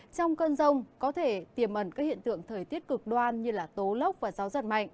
trong cơn rông có thể tiềm ẩn các hiện tượng thời tiết cực đoan như tố lốc và gió giật mạnh